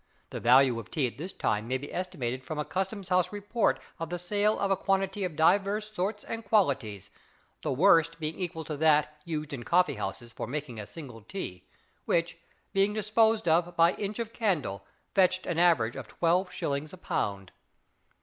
The value of tea at this time may be estimated from a customhouse report of the sale of a quantity of divers sorts and qualities, the worst being equal to that "used in coffee houses for making single tea," which, being disposed of by "inch of candle," fetched an average of twelve shillings a pound.